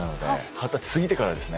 二十歳すぎてからですね。